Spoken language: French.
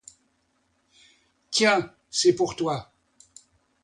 Tiens, c'est pour toi.